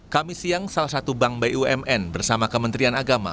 kami siang salah satu bank bumn bersama kementerian agama